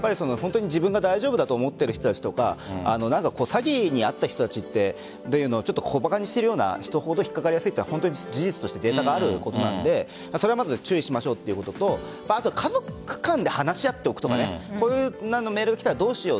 自分が大丈夫だと思っている人たちとか詐欺に遭った人たちは小バカにしているような人ほど引っかかりやすいというのは事実としてあるのでそれは注意しましょうということと家族間で話し合っておくとかメールが来たらどうしよう